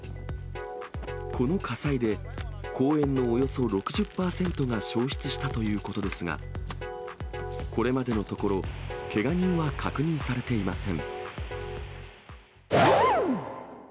この火災で、公園のおよそ６０％が焼失したということですが、これまでのところ、けが人は確認されていません。